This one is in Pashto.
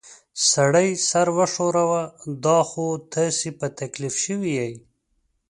سړي سر وښوراوه: دا خو تاسې په تکلیف شوي ییۍ.